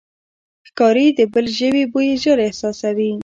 ښکاري د بلې ژوي بوی ژر احساسوي.